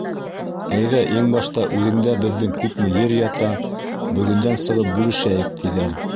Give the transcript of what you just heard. — Әйҙә иң башта үҙеңдә беҙҙең күпме ер ята, бөгөндән сығып бүлешәйек, — тиҙәр.